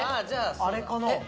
あれかな？